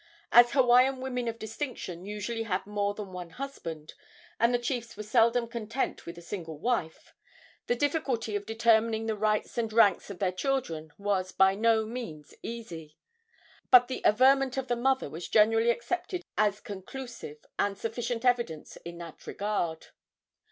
As Hawaiian women of distinction usually had more than one husband, and the chiefs were seldom content with a single wife, the difficulty of determining the rights and ranks of their children was by no means easy; but the averment of the mother was generally accepted as conclusive and sufficient evidence in that regard.